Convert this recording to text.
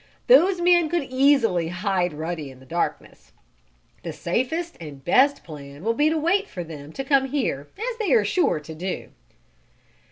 "Those men could easily hide Ruddy in the darkness. The safest and best plan will be to wait for them to come here, as they are sure to do."